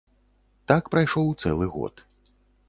Так прайшоў цэлы год.